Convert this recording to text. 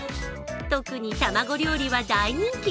特に卵料理は大人気。